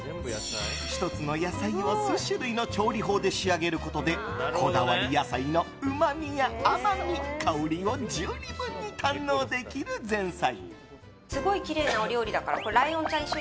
１つの野菜を数種類の調理法で仕上げることでこだわり野菜の、うまみや甘み香りを十二分に堪能できる前菜。